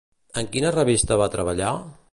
En quina revista va treballar?